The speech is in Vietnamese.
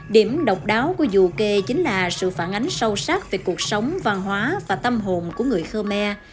điểm độc đáo của du kê chính là sự phản ánh sâu sắc về cuộc sống văn hóa và tâm hồn của người khmer